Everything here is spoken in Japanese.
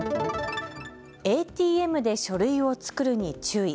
ＡＴＭで書類を作るに注意。